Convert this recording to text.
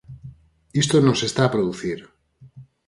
Isto non se está a producir.